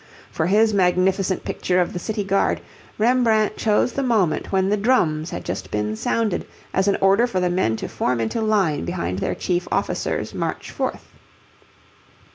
For his magnificent picture of the City Guard, Rembrandt chose the moment when the drums had just been sounded as an order for the men to form into line behind their chief officers' march forth.